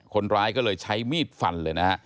คนร้ายก็เลยใช้มีดฟันเลยนะฮะ